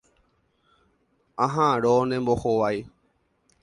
Aha'ãrõ ne mbohovái.